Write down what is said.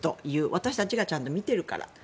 私たちがちゃんと見てるから。